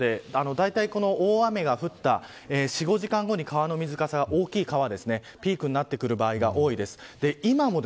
だいたい大雨が降った４、５時間後に川の水かさは、大きい川がピークになってくる場合が多いです。